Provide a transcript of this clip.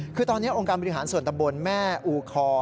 คือตอนนี้องค์การบริหารส่วนตำบลแม่อูคอ